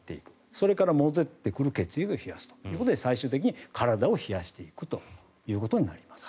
それから戻ってくる血液を冷やすということで最終的には体を冷やしていくということになります。